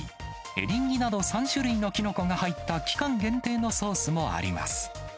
エリンギなど、３種類のきのこが入った期間限定のソースもあります。